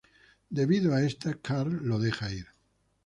Debido a esta, Carl lo deja ir.